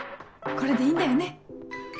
これでいいんだよね。